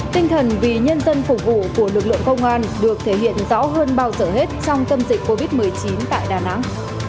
tinh thần vì nhân dân phục vụ của lực lượng công an được thể hiện rõ hơn bao giờ hết trong tâm dịch covid một mươi chín tại đà nẵng